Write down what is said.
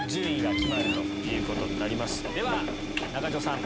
では中条さん